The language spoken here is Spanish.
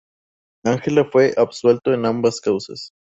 Angela fue absuelto en ambas causas.